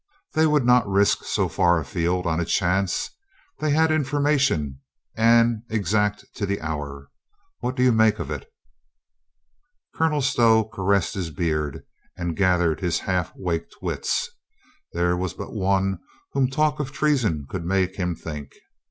They would not risk so far afield on a chance. They had an information and exact to the hour. What do you make of it?" 257 258 COLONEL GREATHEART Colonel Stow caressed his beard and gathered his half waked wits. There was but one of whom talk of treason could make him think.